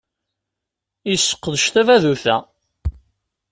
Yesseqdec tadabut-a.